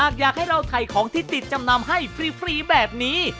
ใครของที่ติดจำนำให้ฟรีแบบนี้